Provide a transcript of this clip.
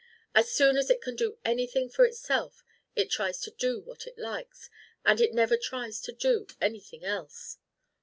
As soon as it can do anything for itself, it tries to do what it likes, and it never tries to do anything else.